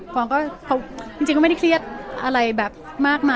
กองก็จริงก็ไม่ได้เครียดอะไรแบบมากนัก